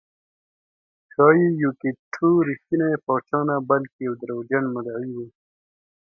ښایي یوکیت ټو رښتینی پاچا نه بلکې یو دروغجن مدعي و